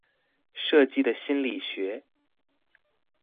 設計的心理學